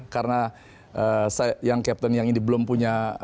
karena captain yang ini belum punya